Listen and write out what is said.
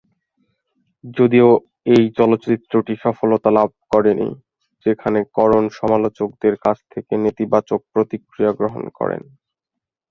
যদিও এই চলচ্চিত্রটি সফলতা লাভ করেনি, যেখানে করণ সমালোচকদের কাছ থেকে নেতিবাচক প্রতিক্রিয়া গ্রহণ করেন।